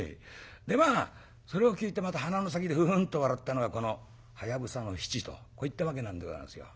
でまあそれを聞いてまた鼻の先でふふんと笑ったのがこのはやぶさの七とこういったわけなんでござんすよ。